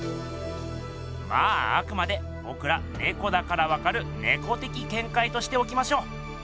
まああくまでぼくらねこだからわかる「ねこ的見解」としておきましょう。